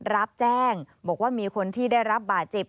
รับแจ้งบอกว่ามีคนที่ได้รับบาดเจ็บ